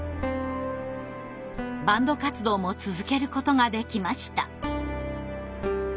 バンド活動も続けることができました。